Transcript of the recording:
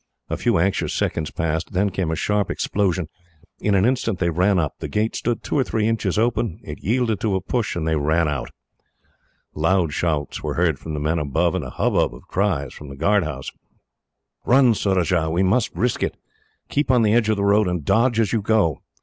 A few anxious seconds passed, then came a sharp explosion. In an instant they ran up. The gate stood two or three inches open. It yielded to a push, and they ran out. Loud shouts were heard from the men above, and a hubbub of cries from the guard house. "Run, Surajah! We must risk it. Keep on the edge of the road, and dodge as you go.